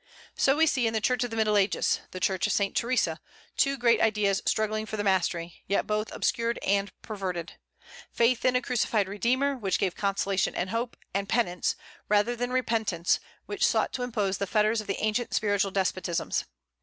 So we see in the Church of the Middle Ages the Church of Saint Theresa two great ideas struggling for the mastery, yet both obscured and perverted: faith in a crucified Redeemer, which gave consolation and hope; and penance, rather than repentance, which sought to impose the fetters of the ancient spiritual despotisms.